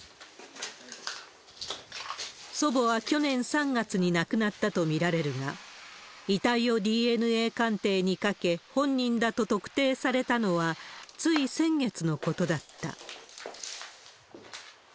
祖母は去年３月に亡くなったと見られるが、遺体をＤＮＡ鑑定にかけ、本人だと特定されたのは、つい先月のことだった。